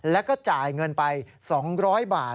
แล้วก็จ่ายเงินไปสองร้อยบาท